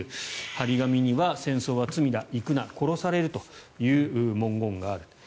貼り紙には、戦争は罪だ行くな、殺されるという文言がある。